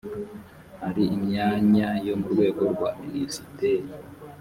hari imyanya yo mu rwego rwa minisiteri.